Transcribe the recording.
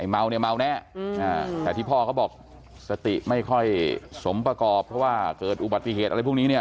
เมาเนี่ยเมาแน่แต่ที่พ่อเขาบอกสติไม่ค่อยสมประกอบเพราะว่าเกิดอุบัติเหตุอะไรพวกนี้เนี่ย